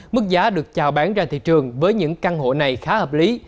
mức giá được chào bán ra thị trường với những căn hộ này khá hợp lý